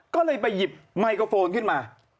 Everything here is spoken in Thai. ก็เลยไปหยิบไมโครโฟนขึ้นมา